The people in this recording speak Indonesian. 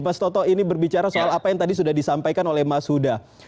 mas toto ini berbicara soal apa yang tadi sudah disampaikan oleh mas huda